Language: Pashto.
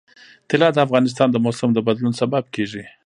طلا د افغانستان د موسم د بدلون سبب کېږي.